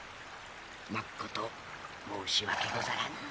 まっこと申し訳ござらぬ。